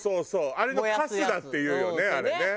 あれのカスだっていうよねあれね。